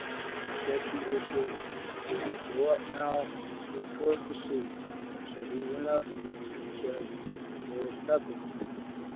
And he said to his servant, "Go up now, look toward the sea." So he went up and looked and said, "There is nothing."